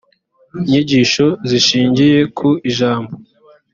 inyigisho zishingiye ku ijambo